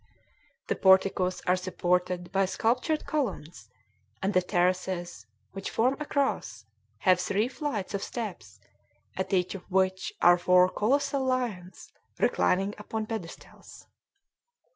The porticos are supported by sculptured columns; and the terraces, which form a cross, have three flights of steps, at each of which are four colossal lions, reclining upon pedestals.